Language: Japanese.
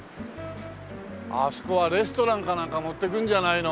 あそこはレストランかなんか持ってくるんじゃないの？